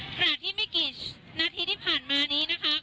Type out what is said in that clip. ขณะที่ไม่กี่นาทีที่ผ่านมานี้นะคะ